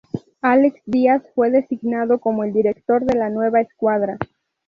Alex Díaz fue designado como el director de la nueva escuadra.